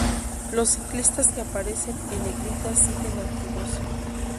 Los ciclistas que aparecen en negrita siguen activos.